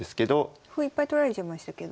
歩いっぱい取られちゃいましたけど。